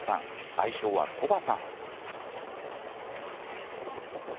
愛称はコバさん。